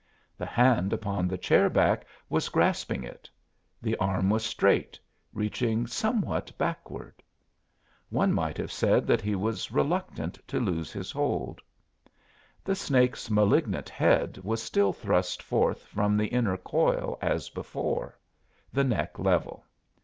The hand upon the chair back was grasping it; the arm was straight, reaching somewhat backward. One might have said that he was reluctant to lose his hold. The snake's malignant head was still thrust forth from the inner coil as before, the neck level.